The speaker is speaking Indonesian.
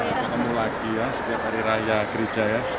ketemu lagi ya setiap hari raya gereja ya